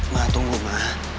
ma tunggu ma